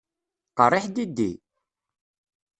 Qeṛṛiḥ diddi!